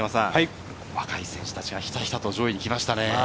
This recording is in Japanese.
若い選手たちがひたひたと上位に行きましたね。